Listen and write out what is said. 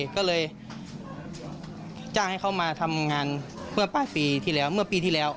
ก็เลยจ้างให้เขามาทำงานเมื่อปลายปีที่แล้วเมื่อปีที่แล้ว